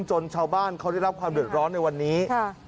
จนชาวบ้านเขาได้รับความเดือดร้อนในวันนี้